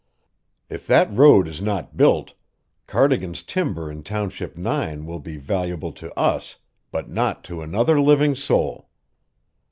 If that road is not built, Cardigan's timber in Township Nine will be valuable to us, but not to another living soul.